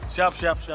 siap siap siap